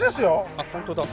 あっ本当だ。